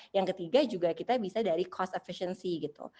yang ketiga juga kita bisa dari cost efisiensi gitu